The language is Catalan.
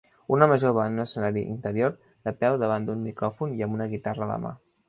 Un home jove en un escenari d'interior de peu davant d'un micròfon i amb una guitarra a la mà.